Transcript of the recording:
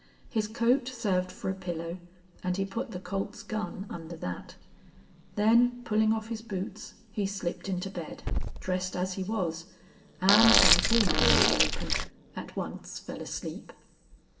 His coat served for a pillow and he put the Colt's gun under that; then pulling off his boots, he slipped into bed, dressed as he was, and, like all men in the open, at once fell asleep.